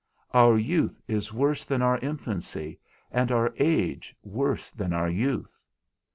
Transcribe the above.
Our youth is worse than our infancy, and our age worse than our youth.